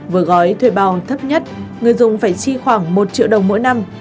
với gói thuê bao thấp nhất người dùng phải chi khoảng một triệu đồng mỗi năm